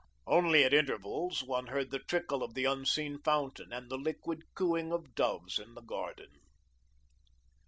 Only at intervals, one heard the trickle of the unseen fountain, and the liquid cooing of doves in the garden.